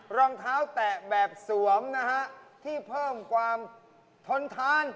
รองเท้าแตะแบบสวมนะฮะที่เพิ่มความทนทาน